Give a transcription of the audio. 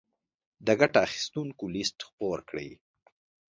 د ګټه اخيستونکو ليست خپور کړي.